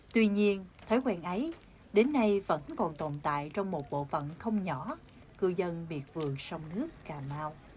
tuy nhiên thói quen ấy đến nay vẫn còn tồn tại trong một bộ phận không nhỏ cư dân biệt vườn sông nước cà mau